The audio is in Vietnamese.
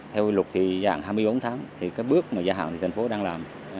theo luật thì gần hai mươi bốn tháng thì cái bước mà gia hạn thì thành phố đang làm